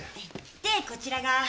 でこちらが。